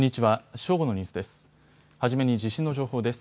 初めに地震の情報です。